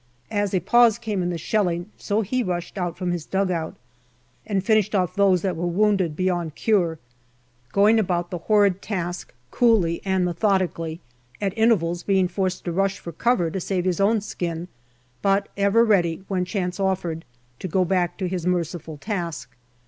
As a pause came in the shelling, so he rushed out from his dugout and finished off those which were wounded beyond cure, going about the horrid task coolly and methodically, at intervals, being forced to rush for cover to save his own skin, but ever ready, when chance offered, to go back to his merciful task.